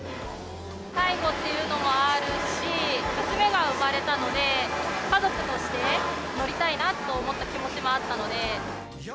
最後っていうのもあるし、娘が生まれたので、家族として乗りたいなと思った気持ちもあったので。